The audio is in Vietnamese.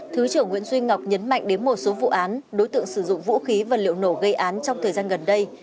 thứ trưởng nguyễn duy ngọc nhấn mạnh đến một số vụ án đối tượng sử dụng vũ khí và liệu nổ gây án trong thời gian gần đây